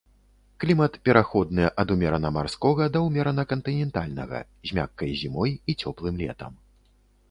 Клімат пераходны ад умерана марскога да ўмерана кантынентальнага, з мяккай зімой і цёплым летам.